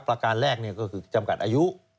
ประการแรกก็คือจำกัดอายุ